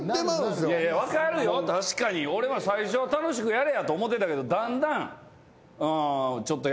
確かに俺も最初は楽しくやれやと思うてたけどだんだんうん。